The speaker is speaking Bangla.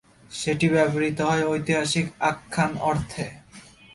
সেটি ব্যবহৃত হত ঐতিহাসিক আখ্যান অর্থে।